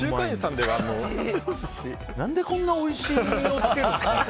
何でこんなおいしい実をつけるんですかね。